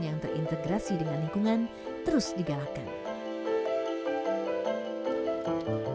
yang terintegrasi dengan lingkungan terus digalakkan